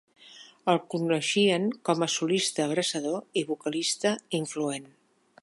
El coneixien com a solista abrasador i vocalista influent.